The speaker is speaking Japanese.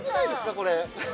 これ。